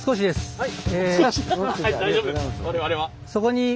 はい。